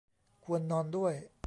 ควรนอนด้วย